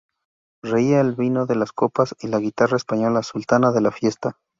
reía el vino en las copas, y la guitarra española, sultana de la fiesta